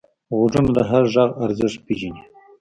غوږونه د هر غږ ارزښت پېژني